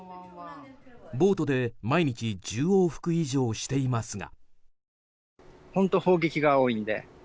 ボートで毎日１０往復以上していますが。